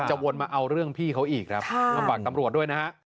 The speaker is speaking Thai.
วนมาเอาเรื่องพี่เขาอีกครับมาฝากตำรวจด้วยนะฮะ